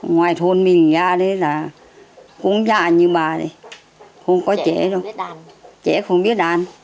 ngoài thôn mình ra đấy là cũng dài như bà đấy không có trẻ đâu trẻ không biết đàn